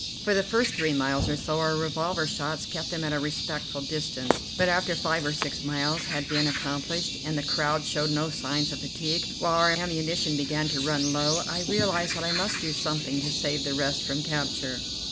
For the first three miles or so our revolver shots kept them at a respectful distance, but after five or six miles had been accomplished, and the crowd showed no signs of fatigue, while our ammunition began to run low, I realized that I must do something to save the rest from capture.